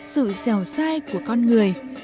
sự dèo sai của con người